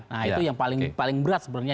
nah itu yang paling berat sebenarnya